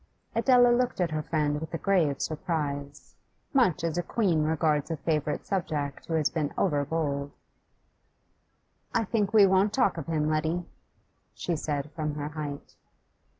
Adela looked at her friend with a grave surprise, much as a queen regards a favourite subject who has been over bold. 'I think we won't talk of him, Letty,' she said from her height.